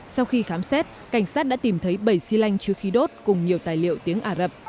sau khi khám xét cảnh sát đã tìm thấy bảy xi lanh chứa khí đốt cùng nhiều tài liệu tiếng ả rập